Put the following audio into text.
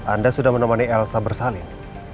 anda sudah menemani elsa bersalin